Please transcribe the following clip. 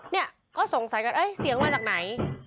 เนี่ยก็สงสัยกันเสียงมาจากไหน